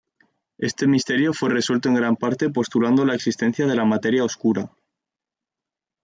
Este misterio fue resuelto en gran parte postulando la existencia de la materia oscura.